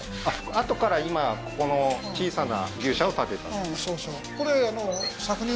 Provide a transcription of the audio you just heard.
あとから今ここの小さな牛舎を建てたうんそうそう